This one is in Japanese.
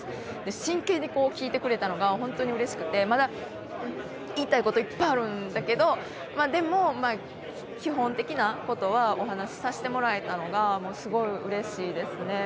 真剣に聞いてくれたのがホントに嬉しくてまだ言いたいこといっぱいあるんだけどでも基本的なことはお話しさせてもらえたのがすごい嬉しいですね